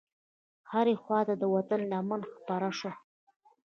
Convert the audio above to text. هرې خواته د وطن لمن خپره شوه.